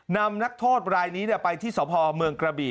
นำนักโทษรายนี้ไปที่สอบภอบค์เมืองกระบี่